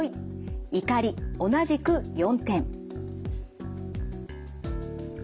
怒り同じく４点。